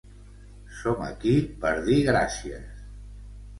Som aquí per dir gràcies.